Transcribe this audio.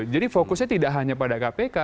jadi fokusnya tidak hanya pada kpk